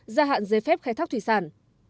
gia hạn giấy phép khai thác thủy sản